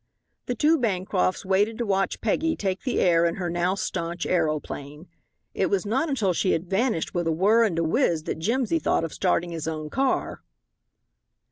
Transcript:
The two Bancrofts waited to watch Peggy take the air in her now staunch aeroplane. It was not until she had vanished with a whirr and a whiz that Jimsy thought of starting his own car.